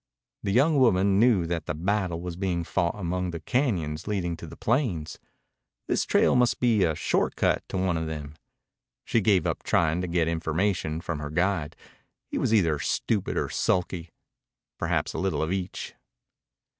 The young woman knew that the battle was being fought among the cañons leading to the plains. This trail must be a short cut to one of them. She gave up trying to get information from her guide. He was either stupid or sulky; perhaps a little of each.